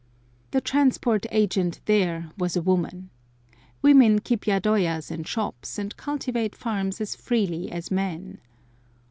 The Transport Agent there was a woman. Women keep yadoyas and shops, and cultivate farms as freely as men.